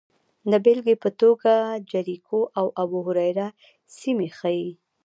د بېلګې په توګه جریکو او ابوهریره سیمې ښيي